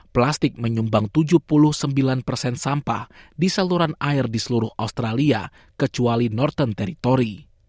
plastik menyumbang tujuh puluh sembilan persen sampah di saluran air di seluruh australia kecuali norten teritori